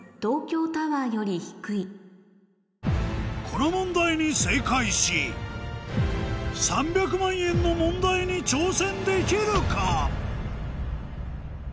この問題に正解し３００万円の問題に挑戦できるか？